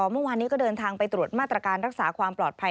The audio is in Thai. เมื่อวานนี้ก็เดินทางไปตรวจมาตรการรักษาความปลอดภัย